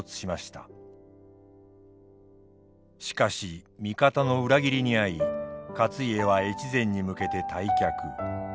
しかし味方の裏切りに遭い勝家は越前に向けて退却。